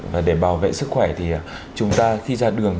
và để bảo vệ sức khỏe thì chúng ta khi ra đường